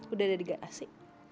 udah ada di garasi